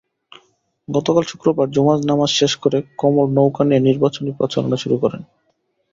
গতকাল শুক্রবার জুমার নামাজ শেষ করে কমল নৌকা নিয়ে নির্বাচনী প্রচারণা শুরু করেন।